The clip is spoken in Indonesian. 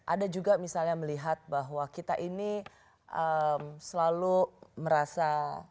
ada juga misalnya melihat bahwa kita ini selalu merasa